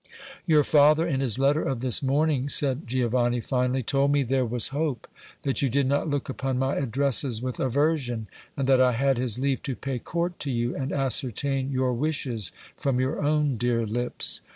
"Your father, in his letter of this morning," said Giovanni finally, "told me there was hope, that you did not look upon my addresses with aversion, and that I had his leave to pay court to you and ascertain your wishes from your own dear lips.